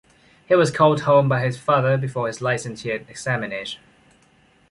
He was called home by his father before his licentiate examination.